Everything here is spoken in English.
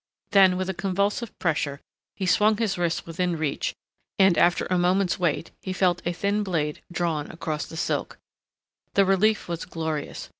Then with a convulsive pressure he swung his wrists within reach and after a moment's wait he felt a thin blade drawn across the silk. The relief was glorious.